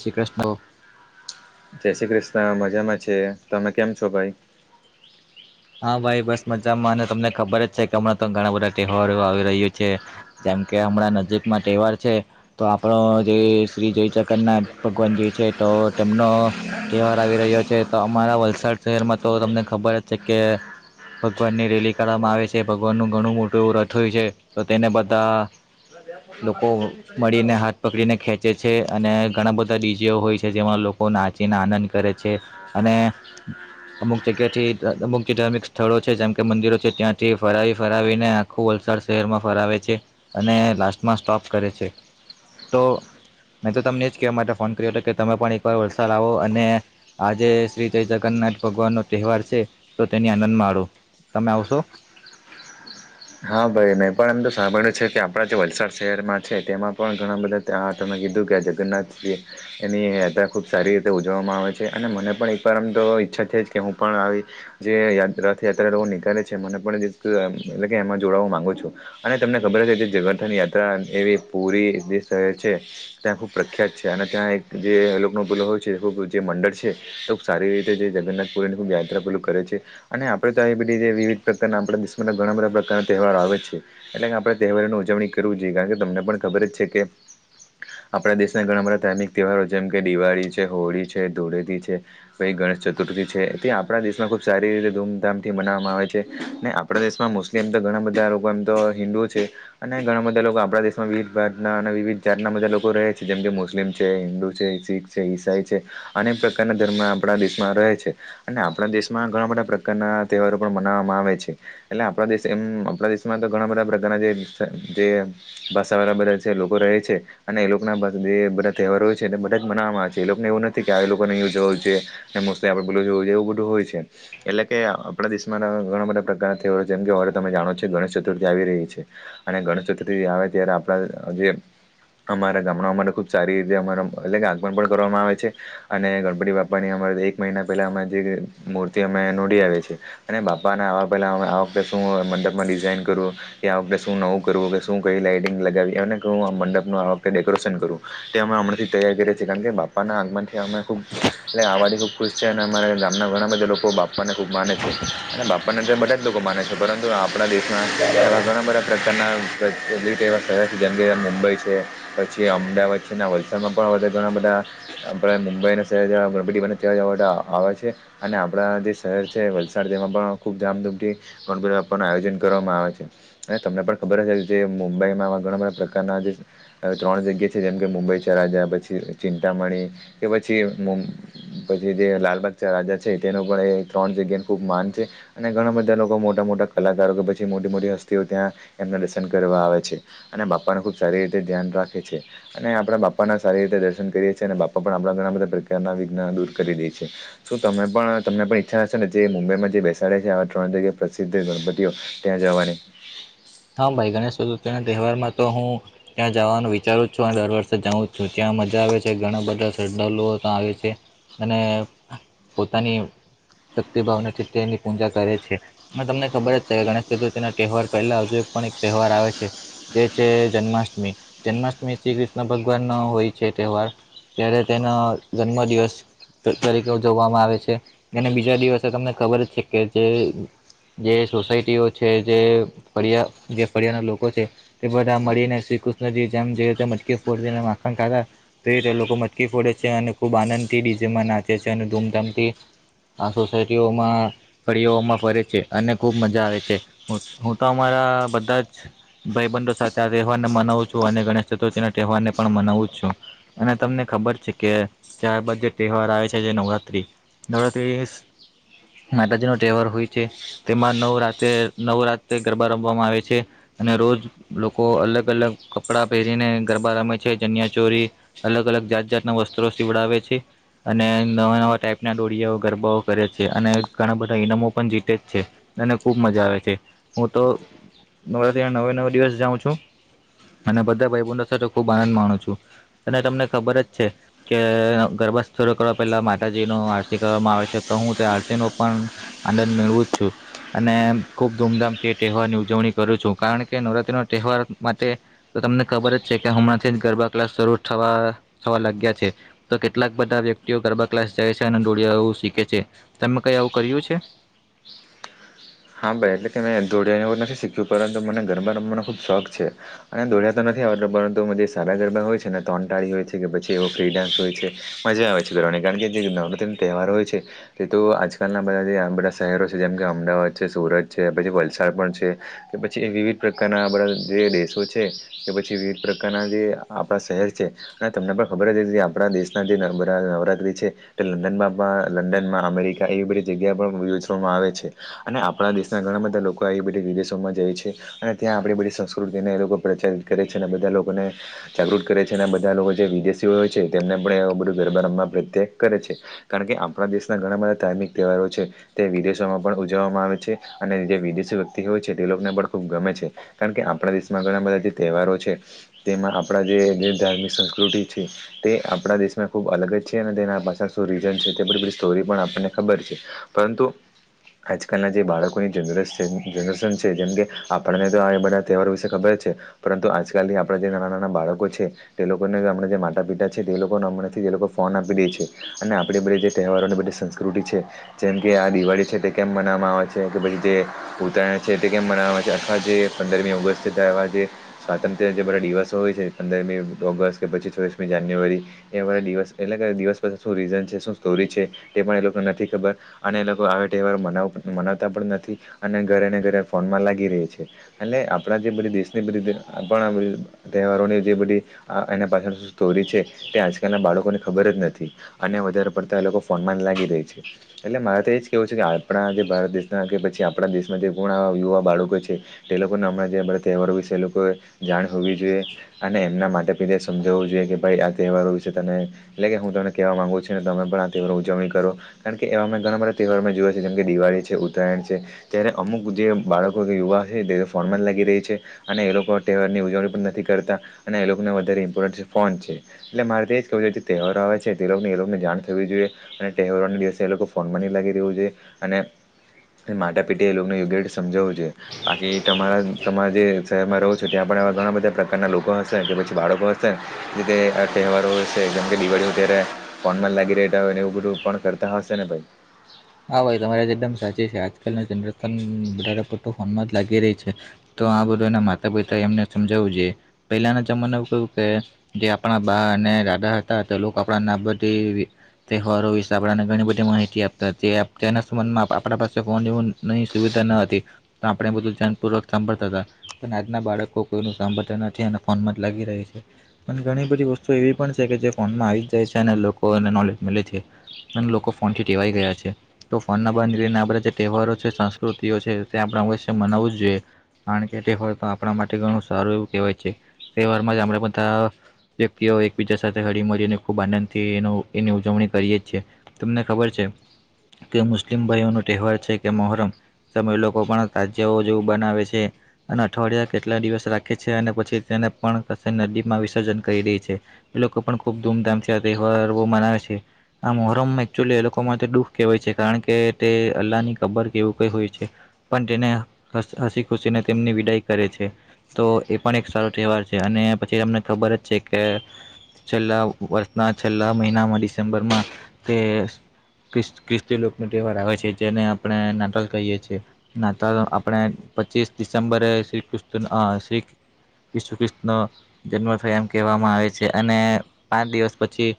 શ્રી [inaudible] જય શ્રી કૃષ્ણ મજામાં છે. તમે કેમ છો ભાઈ? હા ભાઈ બસ મજામાં અને તમને ખબર જ છે કે હમણાં તો ઘણા બધા તહેવારો આવી રહ્યું છે. જેમ કે હમણાં નજીકમાં તહેવાર છે. તો આપણો જે શ્રી જય જગન્નાથ ભગવાન જે છે તો તેમનો તહેવાર આવી રહ્યો છે તો અમારા વલસાડ શહેરમાં તો તમને ખબર જ છે કે, ભગવાન ની રેલી કરવામાં આવે છે ભગવાન નું ઘણું મોટું એવું રથ હોય છે તો તેને બધા [inaudible] લોકો મળીને હાથ પકડીને ખેંચે છે અને ઘણા બધા ડીજે હોય છે જેમાં લોકો નાચીને આનંદ કરે છે અને અમુક જગ્યાથી અમુક જે ધાર્મિક સ્થળો છે જેમ કે મંદિરો છે ત્યાંથી ફરાવી ફરાવીને આખું વલસાડ શહેરમાં ફરાવે છે. અને લાસ્ટમાં સ્ટોપ કરે છે તો. મેતો તમને એ જ કહેવા માટે ફોન કર્યો હતો કે તમે પણ એકવાર વલસાડ આવો અને. આજે શ્રી જય જગન્નાથ ભગવાન નો તહેવાર છે તો તેની આનંદ માળો તમે આવશો? હા ભાઈ મેં પણ એમ તો સાંભળ્યું છે કે આપડા જે વલસાડ શહેરમાં છે તેમાં પણ ઘણા બધા [inaudible] જગન્નાથજી એની યાત્રા ખુબ સારી રીતે ઉજવવામાં આવે છે અને મને પણ એકવાર આમ તો ઈચ્છા છે જ કે હું પણ આવી જેયા રથયાત્રા નીકળે છે મને પણ એટલે કે એમાં જોડવા માંગો છો. અને તમને ખબર હશે જગન્થની યાત્રા એવી પૂરી જે શહેર છે. ત્યાં ખુબ પ્રખ્યાત છે અને ત્યાં એક જે લોક [inaudible] છે જે મંડળ છે. ખુબ સારી રીતે જે જગન્નાથ પુરી ની ખુબ યાત્રા પેલું કરે છે. અને આપડે તો આ બધી વિવિધ પ્રકારના આપણા દેશના ઘણા બધા. તહેવાર આવે છે એટલે કે આપણે તહેવારોની ઉજવણી કરવી જોઈએ કારણ કે તમને પણ ખબર જ છે કે, આપણા દેશના ઘણા બધા ધાર્મિક તહેવારો જેમ કે દિવાળી છે, હોળી છે, ધૂળેટી છે. [inaudible] ગણેશ ચતુર્થી છે તે આપણા દેશમાં ખુબ સારી રીતે ધૂમધામથી મનાવવામાં આવે છે અને આપણા દેશમાં મુસ્લિમ એ એમ તો ઘણા બધા લોકો એમ તો હિન્દુ ઓ છે. અને ઘણા બધા લોકો આપણા દેશમાં વિવિધતના અને વિવિધ જાતના બધા લોકો રહે છે જેમ કે મુસ્લિમ છે, હિન્દુ છે, શીખ છે, ઈસાઈ છે અનેક પ્રકારના ધર્મ આપણા દેશમાં રહે છે. અને આપણા દેશમાં ઘણા બધા પ્રકારના તહેવારો પણ મનાવવામાં આવે છે એટલે. આપણા દેશ એમ આપણા દેશમાં તો ઘણા બધા પ્રકારના જે ભાષા વાળા બધા જે લોકો રહે છે. અને એ લોકો ના જે બધા તહેવારો છે એને બધા જ મનાવવામાં આવે છે એ લોકોને એવું નથી કે લોકોને [inaudible] જોઈએ. [inaudible] એવું બધું હોય છે એટલે કે આપણા દેશમાં ઘણા બધા પ્રકાર જેમ કે હવે તમે જાણો છો ગણેશ ચતુર્થી આવી રહી છે. અને ગણેશ ચતુર્થી આવે ત્યારે આપણા જે અમારા ગામડા અમારે ખૂબ સારી રીતે અમારા એટલે કે આગમન પણ કરવામાં આવે છે. અને ગણપતિ બાપા ની અમારે એક મહિના પહેલા અ જે મૂર્તિ અમે નોડી આવે છે. અને બાપાને આવા પહેલા આ વખતે શું મંડપમાં ડિઝાઇન કરું કે આ વખતે શું નવું કરવું કે શું કઈ લાઈટિંગ લગાવી અનેું આ મંડપનું આ વખતે ડેકોરેશન કરવું. તે અમે હમણાંથી તૈયારી કરીએ છીએ કારણ કે બાપાના આગમનથી અમે ખૂબ એટલે આવાથી ખુબ ખુશ છે અને અમારે ગામના ઘણા બધા લોકો બાપ્પ ને ખુબ માને છે અને બાપ ને બધા જ લોકો માને છે. પરંતુ આપણા દેશમાં એવા ઘણા બધા પ્રકારના પ્રલિત એવા શહેર છે જેમ કે મુંબઈ છે. પછી અમદાવાદ છે ના વલસાડમાં પણ વધારે ઘણા બધા આપડ મુંબઈને શહે ગ ત જવા આવે છે. અને આપણા જે શહેર છે વલસાડ તેમાં પણ ખુબ ધામધૂમથી. આયોજન કરવામાં આવે છે. અને તમને પણ ખબર હશે કે જે મુંબઈમાંવા ઘણા બધા પ્રકારના જે હવે ત્રણ જગ્યા છે જેમ કે મુંબઈ ચરાજ્યા પછી ચિંતામણી કે પછી પછી જે લાલબાગ રાજા છે તેનું પણ એ ત્રણ જગ્યા ન ખુબ માન છે. અને ઘણા બધા લોકો મોટા મોટા કલાકારો કે પછી મોટી મોટી હસ્તીઓ ત્યાં એમના દર્શન કરવા આવે છે. અને બાપાને ખુબ સારી રીતે ધ્યાન રાખે છે. અને આપણા બાપા સારી રીતે દર્શન કરીએ છીએ અને બાપા પણ આપણા ઘણા બધા પ્રકારના વિઘ્ન દૂર કરી દેએ શું તમે પણ તમને પણ ઈચ્છા હશે ને જે મુંબઈમાં જે બેસાડે છે આવા ત્રણ જગ્યા પ્રસિદ્ધ ગણપતિઓ ત્યાં જવાની. હા ભાઈ ગણેશ ચતુર્થી ના તહેવારમાં તો હું ત્યાં જવાનું વિચારું છું અને દર વર્ષે જાઉું જ છું ત્યાં મજા આવે છે ઘણા બધા શ્રદ્ધળુઓં આવે છે. અને પોતાની શક્તિ ભાવ નથી તેની પૂજા કરે છે. મેં તમને ખબર જ છે ગણેશ ચતુર્થી ના તહેવાર પહેલા આજે પણ એક તહેવાર આવે છે. તે છે જન્માષ્ટમી જન્માષ્ટમી શ્રી કૃષ્ણ ભગવાનનો હોય છે તહેવાર ત્યારે તેના જન્મદિવસ તરીકે ઉજવવામાં આવે છે અને બીજા દિવસે તમને ખબર જ છે કે જે અત્યારે કે જય સોસાયટીઓ છે જે ફરિયા જે ફરિયા ના લોકો છે તે બધા મળીને શ્રીકૃષ્ણજી જેમ જે રીતે મટકી ફોડી માખણ ખાતા તે રીતે લોકો મચકી ફોડે છે અને ખૂબ આનંદથી ડીજેમાં નાચે છે અને ધૂમધામથી પડે છે. આ સોસાયટીઓમાં ફળમાં ફરે છે અને ખુબ મજા આવે છે હું તો અમારા. બધા જ ભાઈબંધો સાથે આ તહેવારને મનાવું છું અને ગણેશ ચતુર્થી ના તહેવારને પણ મનાવું છું અને તમને ખબર છે કે ચારબદ જે તહેવાર આવે છે જે નવરાત્રી. નવરાત્રી. માતાજી નો તહેવાર હોય છે તેમાં નવ રાતે નવ રાત્ર ગરબા રમવામાં આવે છે. છે. અને રોજ લોકો અલગ અલગ કપડાં પહેરીને ગરબા રમે છે જન્યા ચોરી અલગ અલગ જાત જાતના વસ્ત્રો સીવડાવે છે. અને નવા નવા ટાઈપના ડોળિયા ગરબાઓ કરે છે અને ઘણા બધા ઇનામો પણ જીતે જ છે. અનેને ખુબ મજા આવે છે હું તો નરાથી નવે નવ દિવસ જાઉં છું અને બધા ભાઈ બ સાથે ખુબ આનંદ માણું છું. અને તમને ખબર જ છે. કે ગરભાથરૂ કરવા પહેલા માતાજી ન આરતી કરવામાં આવે છે તો હું તે આરતી ન પણ આનંદ મેળવું જ છું અને ખુબ ધૂમધામથી તહેવાર ની ઉજવણી કરું છું કારણ કે નવરાત્રી નો તહેવાર માટે તો તમને ખબર જ છે કે હમણાંથી ગરબા ક્લાસ શરૂ થવા થવા લાગ્યા છે. તો કેટલાક બધા વ્યક્તિઓ ગરબા ક્લાસ જાય છે અને ડોળિયાું શીખે છે તમે કઈ આવું કર્યું છે. હા ભાઈ એટલે કે મે ધોડિયા નથી શીખ્યું પરંતુ મને ગરબા રમવાનો ખુબ શોખ છે. અને દોડ્યા તો નથી આવતો પરંતુ જે સાબા ગરબા હોય છે ને તોન ટાળી હોય છે કે પછી એવો ફ્રી ડાન્સ હોય છે. મજા આવે છે કરવાની કારણ કે જે નવરાત્રી નો તહેવાર હોય છે તે તો આજકાલના બધા જે આ બધા શહેરો છે જેમ કે અમદાવાદ છે સુરત છે પછી વલસાડ પણ છે કે પછી એ વિવિધ પ્રકારના બધા જે દેશો છે કે પછી વિવિધ પ્રકારના જે આપણા શહેર છે હ તમને પણ ખબર જ કે આપણા દેશના જે નમ નવરાત્રી છે લંડનમાં પણ લંડનમાં અમેરિકા એવી બધી જગ્યા પણ યોજવામાં આવે છે અને આપણા દેશના ઘણા બધા લોકો આવી બધી વિદેશોમાં જાય છે અને ત્યાં આપડી બધી સંસ્કૃતિને એ લોકો પ્રચલિત કરે છે અને બધા લોકોને જાગૃત કરે છે અને બધા લોકો જે વિદેશી હોય છે તેમને પણ એ બધું ગરબા રમમાં પ્રત્યેક કરે છે કારણ કે આપણા દેશના ઘણા બધા ધાર્મિક તહેવારો છે તે વિદેશમાં પણ ઉજવવામાં આવે છે અને જે વિદેશી વ્યક્તિ હોય છે તે લોકોને પણ ખૂબ ગમે છે કારણ કે આપણા દેશમાં ઘણા બધા જે તહેવારો છે તેમાં આપણા જે જે ધાર્મિક સંસ્કૃતિ છે તે આપણા દેશમાં ખૂબ અલગ જ છે અને તેના પાછ શું રીજન છે તે બધ સ્ટોરી પણ આપણને ખબર છે પરંતુ આજકાલના જે બાળકોની જનરેસ છે જનરેશન છે જેમ કે આપણને તો આ બધા તહેવારો વિશે ખબર જ છે પરંતુ આજકાલથી આપણા જે નાના નાના બાળકો છે તે લોકોને આપણા જે માતા પિતા છે તે લોકોને હમણાંથી તે લોકો ફોન આપી દે છે અને આપણે બધા જે તહેવારોને બધી સંસ્કૃતી છે જેમ કે આ દિવાળી છે તે કેમ મનાવામાં આવે છે કે પછી જે ઉત્તરાયણ છે તે કેમ મનાવામાં આવે છે આખા જે પંદરમી ઓગસ્ટ થાય એવા જે સ્વાતંત્ર્ય જે બધા દિવસો હોય છે પંદરમી ઓગસ્ટ કે પછી છોવીસમી જાન્યુઆરી એવાળા દિવસ એટલે દિવસસે શું રીઝન છે શું સ્ટોરી છે તે પણ એ લોકોને નથી ખબર અને એ લોકો આ તહેવાર મના મનાવતા પણ નથી અને ઘરે ને ઘરે ફોનમાં લાગી રહે છે અને આપણા જે બધી દેશની બધી આપણા બધી તહેવારોની જે બધી આ એના પાછળ શું સ્ટોરી છે તે આજકાલના બાળકોને ખબર જ નથી અને વધારે પડતા એ લોકો ફોનમાં લાગી રે છે એટલે મારા તો એજ કેવું છે કે આપણા જે ભારત દેશના કે પછી આપણા દેશમાં જે પૂર્ણ યુવા બાળકો છે તે લોકોના હમણાં જે બધા તહેવાર વિશે લોકો જાણ હોવી જોઈએ અને એમના માટે પિતા સમજાવવું જોઈએ કે ભાઈ આ તહેવારો વિશે તને એટલે કે હું તમને કહેવા માંગુ છું તમે પણ આ તે ઉજવણી કરો કારણ કે એવામે ઘણા બધા તહેવાર મે જોયા છે જેમ કે દિવાળી છે ઉત્તરાયણ છે ત્યારે અમુક જે બાળકો યુવા હે તે ફોનમાં જ લાગી રહે છે અને એ લોકો તહેવારની ઉજવણી પણ નથી કરતા અને એ લોકોને વધારે ઇમ્પોર્ટન્ટ છે ફોન છે એટલે મારે તો એજ કવું છે જે તહેવારો આવે છે તેને એ લોકો ને જાણ થવી જોઈએ અને તહેવારોના દિવસે એ લોકો ફોનમાં ન લાગી રહ્યું જોઈ અને માતા પિતાએ લોકોને યોગ્ય રીતે સમજાવવું છે બાકી તમારા તમારા જે શહેરમાં રહો છો ત્યાં પણ ઘણા બધા પ્રકારના લોકો હશે કે પછી બાળકો હશે જે રીતે તહેવારો હોય છે જેમ કે દિવાળીઓ ત્યારે ફોન માં લાગી રે હોય એને એ બધું પણ કરતા હશે ને ભાઈ હા ભાઈ તમારે એકદમ સાચી છે આજકાલનું જનરેશન વધારે પડતું ફોનમાં જ લાગી રહી છે તો આ બધું એના માતા પિતા એમને સમજાવું જોઈએ પેલાના જમાના કેવું કે જે આપણા બા અને દાદા હતા તે લોકો આપણા નાબથી તહેવારો વિશે આપણને ઘણી બધી માહિતી આપી તેના સંબંધમાં આપણા પાસે ફોન જેવી ન સુવિધા ન હતી તો આપણે એ બધું ધ્યાનપૂર્વક સાંભળતા હતા પણ આજના બાળકો કોઈ નુ સાંભળતા નથી અને ફોનમાં જ લાગી રહી છે પણ ઘણી બધી વસ્તુ એવી પણ છે કે જે ફોનમાં આવી જાય છે અને લોકોને નોલેજ મલે છે અને લોકો ફોનથી ટેવાઈ ગયા છે તો ફોન બંધ કરી આપ જે તહેવારો છે સંસ્કૃતિઓ છે તે આપણે અવશ્ય મનાવવું જ જોઈએ કારણ કે તહેવાર તો આપણા માટે ઘણું સારું એવું કહેવાય છે તહેવાર માં જ આપણે બધા વક્તિઓ એકબીજા સાથે હળી મરીને ખુબ આનંદથી એનો એની ઉજવણી કરીએ છીએ. તમને ખબર છે. કે મુસ્લિમ ભાઈઓ ન તહેવાર છે કે મોહરમ, તમેય લોકો પણ તાજ્યાઓ જેવુ બનાવે સે. અને અઠવાડિયા કેટલા દિવસ રાખે છે અને પછી તેને પણ કસે નદી માં વિસર્જન કયી દે છે. એ લોકો પણ ખૂબ ધૂમધામથી આ તહેવારો મનાવે સે, આ મોહરમા એકચુલી એ લોકો માટે દુ કેવાય છે કારણ કે, તે અલ્લાહ ની કબર કેવુ કઈ હોય છે. પણ તેને હસ હસી ખુશીને તેમની વિદાય કરે છે. તો એ પણ એક સારો ટેવાર છે અને પછી તમને ખબર જ છે કે છેલ્લા વર્ષના છેલ્લા મહિનામાં ડિસેમ્બરમાં તે કિસ કિસ્તી લોકનો તહેવાર આવે છે, જેને આપણે નાટાલ કહીએ છીએ. નાતાલ આપણે પચીસ ડિસેમ્બરે શ્રી કિસ્ત અ શ્રી ઈસુ ખિસ્ત નો જન્મ થયો એમ કેવામાં આયે છે અને પાંચ દિવસ પછી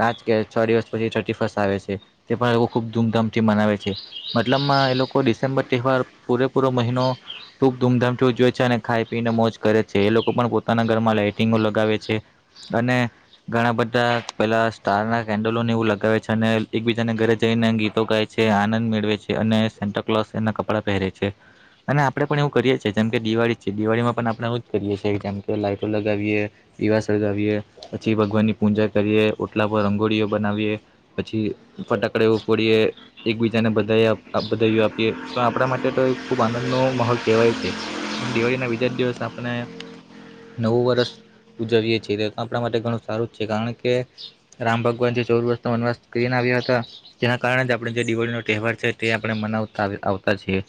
પાંચ કે છ દિવસ પછી ઠર્ટી ફસ્ટ આવે સે. તે પય એકો ખુબ ધૂમધામથી મનાવે સે. મતલબમાં એ લોકો ડિસેમ્બર તહેવાર પૂરેપૂરો મહિનો ખૂબ ધૂમધામ થી ઉજવે છે અને ખાય પીને મોજ કરે છે, એ લોકો પણ પોતાના ઘરમાં લાઈટિંગો લગાવે છે. અને ઘણા બધા પેલા સ્ટાર ના કેન્ડલોને એવું લગાવે છે અને એકબીજાને ઘરે જઈને ગીતો ગાય છે, આનંદ મેળવે છે અને સેન્ટા કલોસ એના કપડા પહેરે છે. અને આપણેે પણ એવું કરીએ છીએ, જેમ કે દિવાળી છે દિવાળીમાં પણ આપણેે એવુજ કરીએ છીએ જેમ કે લાઈટો લગાવીએ,... પીવા સગાવીએ પછી ભગવાન ની પૂંજા કરીએ, ઓટલા પર રંગોળીઓ બનાવીએ. પછી ફટાકડે એવું ફોડીએ. એકબીજાને બધાઇ બધાઈઓ આપીએ તો, આપડણા માટે તો ખુબ આનંદ નો માહોલ કેવાય છે. દિવાળી ના બીજા જ દિવસ આપને નવું વરષ ઉજવીએ છીએ, તે તો આપણા માટે ઘણું સારું જ છે કારણ કે, રામ ભગવાન જે ચઉદ વસ વનવાસ સ્કઈન આયવા હ તા. ત્યા કારણે જ આપણે જે દિવાળીનો તહેવાર છે, તે આપણે મનાવતા આવ આવતા છીએ.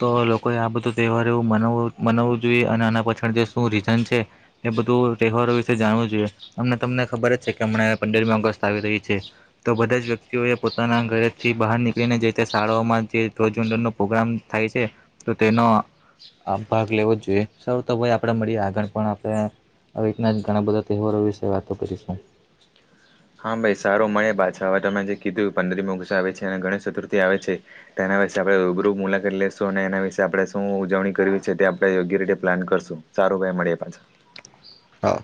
તો લોકોએ આ બધો તહેવાર એવું મનાવું મનાવવું જોઈએ, અને આના પાછળ જે શું રીઝન છે. એ બધું તહેવારો વિશે જાણવું જોઈએ. અમને તમને ખબર જ છે કે, અમણે પંદરમી ઓગસ્ટ આવી રહી છે. તો બધા જ વ્ય ક્તિઓ પોતાના ઘયેથી બહાર નીકળીને, જે-તે શાળાઓમાં જે ધ્વજ વંદનનો પ્રોગ્રામ થાય સે. તો તેનો ભાગ લેવો જ જોઈએ. સયુ તો ભઈ આપડે મળીએ આગળ પણ આપડે આવી રીતના જ ઘણા બધા તહેવારો વિશે વાતો કરીસુ. હા ભાઈ સારો મળે પાછા તમે જે કીધું, પંદરમીઅગુસ આવે છે અને ગણેશ ચતુર્થી આવે છે. તેના વિશે આપયે યુબરૂ મુલાકાત લેેશું, અને એના વિશે આપણે શું ઉજવણી કરવી છે, તે આપણે યોગ્ય રીતે પ્લાન કરશું. સારું ભાઈ, મળીએ પાછા. હા